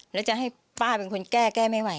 แล้วจะให้ป้าเป็นคนแก้แก้ไม่ไหว